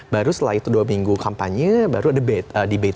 baru setelah itu dua minggu kampanye baru ada debate